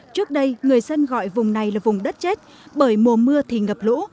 trước đây người dân gọi vùng này là vùng đất chết bởi mùa mưa thì ngập lũ